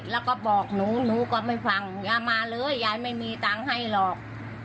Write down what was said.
แล้วก็บอกหนูหนูก็ไม่ฟังอย่ามาเลยยายไม่มีตังค์ให้หรอก